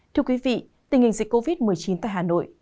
thưa quý vị tình hình dịch covid một mươi chín tại hà nội